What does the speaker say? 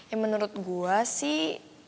ya menurut gue sih